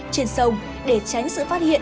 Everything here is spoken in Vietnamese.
trên sông để tránh sự phát hiện